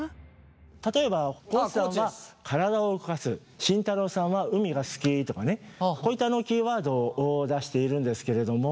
例えば地さんは「体を動かす」慎太郎さんは「海が好き」とかねこういったキーワードを出しているんですけれども。